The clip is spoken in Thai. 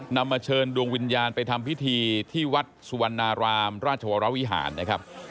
นำมาเชิญดวงวิญญาณไปทำพิธีที่วัดสุวรรณารามราชวรวิหารนะครับ